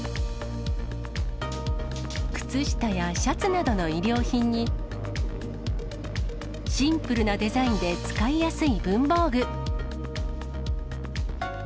靴下やシャツなどの衣料品に、シンプルなデザインで使いやすい文房具。